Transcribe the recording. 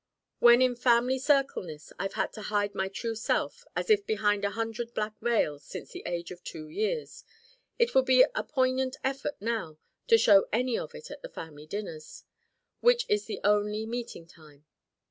When in family circle ness I've had to hide my true self as if behind a hundred black veils since the age of two years. It would be a poignant effort now to show any of it at the family dinners, which is the only meeting time.